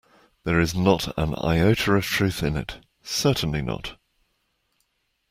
There is not an iota of truth in it, certainly not.